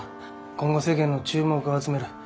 今後世間の注目を集める。